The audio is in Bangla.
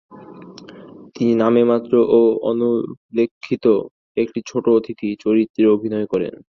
তিনি নামেমাত্র ও অনুল্লেখিত একটি ছোট অতিথি চরিত্রে অভিনয় করেন।